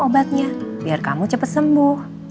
obatnya biar kamu cepet sembuh